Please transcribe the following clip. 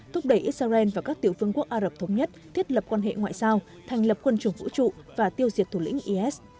thúc đẩy israel và các tiểu phương quốc ả rập thống nhất thiết lập quan hệ ngoại giao thành lập quân chủng vũ trụ và tiêu diệt thủ lĩnh is